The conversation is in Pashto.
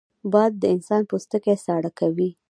باد د انسان پوستکی ساړه کوي